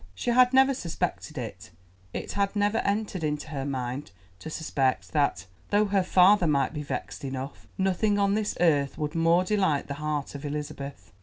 She had never suspected it, it had never entered into her mind to suspect, that, though her father might be vexed enough, nothing on this earth would more delight the heart of Elizabeth.